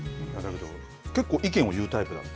結構、意見を言うタイプだと。